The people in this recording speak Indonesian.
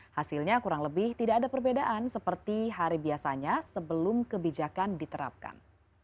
hasilnya kurang lebih tidak ada perbedaan seperti hari biasanya sebelum kebijakan diterapkan